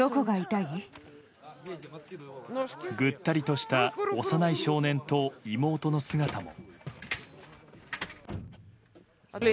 ぐったりとした幼い少年と妹の姿も。